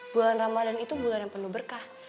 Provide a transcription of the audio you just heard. bulan ramadhan itu bulan yang penuh berkah